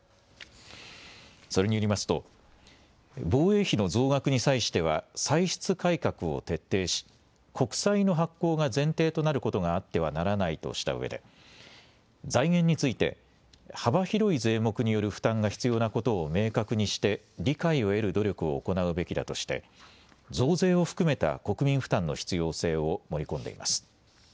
それによりますと防衛費の増額に際しては歳出改革を徹底し国債の発行が前提となることがあってはならないとしたうえで財源について幅広い税目による負担が必要なことを明確にして理解を得る努力を行うべきだとして増税を含めた国民負担の必要性を盛り込んでいます。